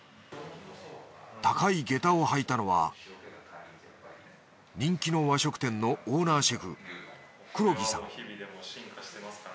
高いげたを履いたのは人気の和食店のオーナーシェフ黒木さん